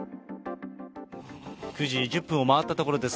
９時１０分を回ったところです。